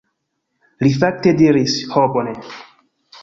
Li fakte diris: "Ho, bone."